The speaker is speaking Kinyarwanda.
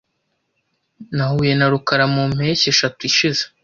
Nahuye na rukara mu mpeshyi eshatu ishize .